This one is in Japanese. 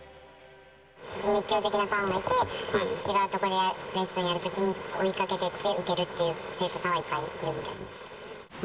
熱狂的なファンがいて、違うところでレッスンやるときに、追いかけていって、受けるっていう生徒さんはいっぱいいるみたいです。